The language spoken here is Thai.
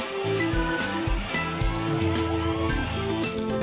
โปรดติดตามตอนต่อไป